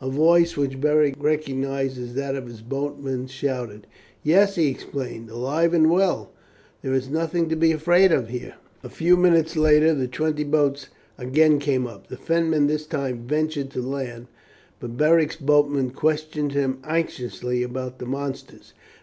a voice, which Beric recognized as that of his boatman, shouted. "Yes," he exclaimed, "alive and well. There is nothing to be afraid of here." A few minutes later the twenty boats again came up. The Fenmen this time ventured to land, but Beric's boatman questioned him anxiously about the monsters.